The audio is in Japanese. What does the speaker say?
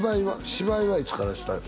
芝居はいつからした？